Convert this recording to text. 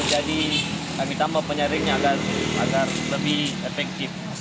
jadi kami tambah penyaringnya agar lebih efektif